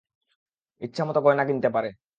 ইচ্ছামত গয়না কিনতে পারে।